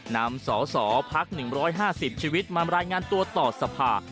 นำสสพัก๑๕๐ชีวิตมารายงานตัวต่อสภา